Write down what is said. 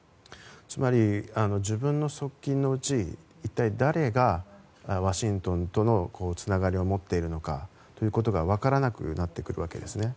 つまり、自分の側近のうち一体誰がワシントンとのつながりを持っているのかということが分からなくなってくるわけですね。